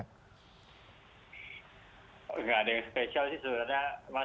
enggak ada yang spesial sih sebenarnya